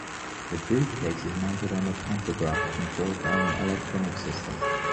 The briefcase is mounted on a pantograph controlled by an electronic system.